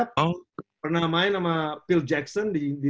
pernah main sama phil jackson di